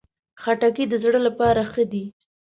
خټکی د زړه لپاره ښه ده.